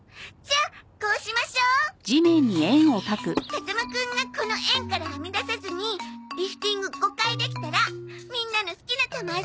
風間くんがこの円からはみ出さずにリフティング５回できたらみんなの好きな球遊びでいいわ。